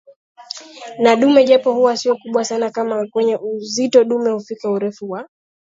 na dume japo huwa sio kubwa sana kama kwenye uzito Dume hufika urefu wa